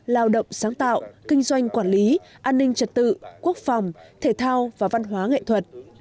lao động sáng tạo kinh doanh quản lý an ninh trật tự quốc phòng thể thao và văn hóa nghệ thuật